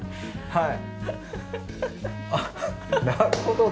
はい。